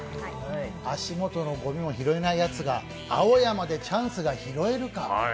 足元のごみも拾えないやつが青山でチャンスが拾えるか。